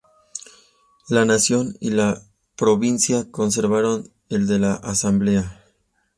La Nación y la Provincia conservaron el de la Asamblea.